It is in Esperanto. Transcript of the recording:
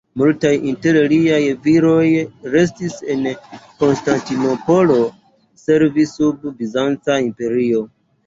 Multaj inter liaj viroj restis en Konstantinopolo servi sub la bizanca imperio.